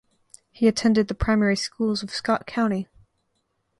He attended the primary schools of Scott County.